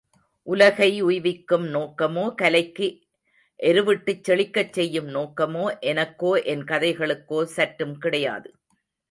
உலகை உய்விக்கும் நோக்கமோ, கலைக்கு எருவிட்டுச் செழிக்கச் செய்யும் நோக்கமோ, எனக்கோ, என் கதைகளுக்கோ சற்றும் கிடையாது.